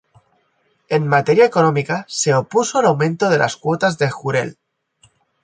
En materia económica, se opuso al aumento de las cuotas de jurel.